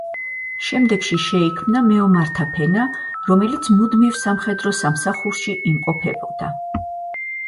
შემდეგში შეიქმნა მეომართა ფენა, რომელიც მუდმივ სამხედრო სამსახურში იმყოფებოდა.